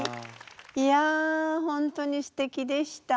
いや本当にすてきでした。